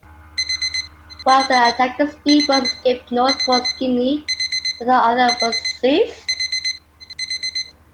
One of the attacking speedboats escaped north towards Guinea, while the other was seized.